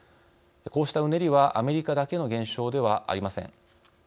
こうしたうねりはアメリカだけの現象ではありません。